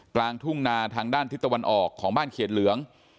กลางทุ่งนาทางด้านทิศตะวันออกของบ้านเขียดเหลือง